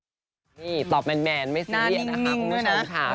นี่ตอบแมนไม่ซีเรียสนะคะคุณผู้ชมค่ะ